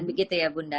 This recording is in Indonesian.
begitu ya bunda